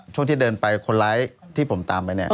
ช่วงที่เดินไปคนร้ายที่ผมตามไปเนี่ย